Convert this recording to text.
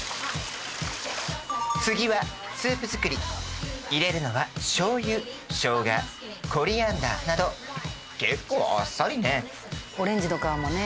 次はスープ作り入れるのは醤油生姜コリアンダーなど結構あっさりねオレンジの皮もね